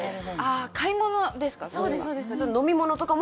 あ買い物ですか？